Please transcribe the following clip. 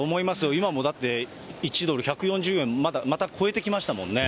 今もだって、１ドル１４０円また超えてきましたもんね。